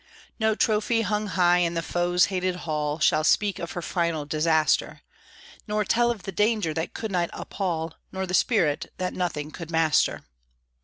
No trophy hung high in the foe's hated hall Shall speak of her final disaster, Nor tell of the danger that could not appall, Nor the spirit that nothing could master!